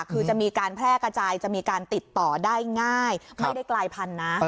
คือจะมีการแพร่กระจายจะมีการติดต่อได้ง่ายไม่ได้กลายพันธุ์นะ